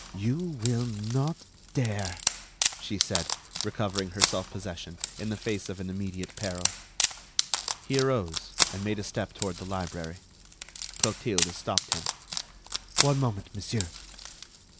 "You will not dare," she said, recovering her self possession in the face of an immediate peril. He arose, and made a step toward the library. Clotilde stopped him: "One moment, monsieur."